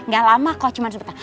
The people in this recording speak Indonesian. gak lama kok cuman sebentar